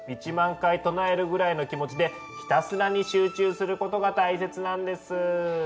１万回唱えるぐらいの気持ちでひたすらに集中することが大切なんです。